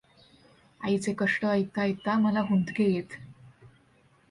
आईचे कष्ट ऐकता ऐकता मला हुंदके येत.